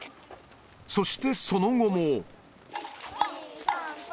そしてその後も。